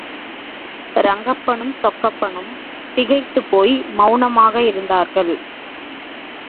ரங்கப்பனும் சொக்கப்பனும் திகைத்துப் போய் மௌனமாக இருந்தார்கள்.